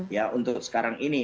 ya untuk sekarang ini